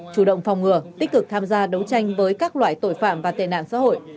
chủ động phòng ngừa tích cực tham gia đấu tranh với các loại tội phạm và tệ nạn xã hội